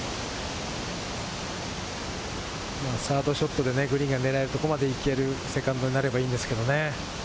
サードショットでグリーンが狙えるところまで行けるセカンドになればいいんですけれどね。